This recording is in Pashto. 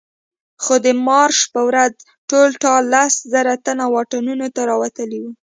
خو د مارش په ورځ ټول ټال لس زره تنه واټونو ته راوتلي وو.